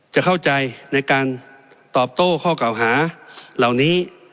จะเข้าใจในการตอบโต้ข้อเก่าหาเหล่านี้